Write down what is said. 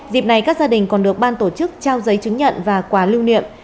dịp này các gia đình còn được ban tổ chức trao giấy chứng nhận và quà lưu niệm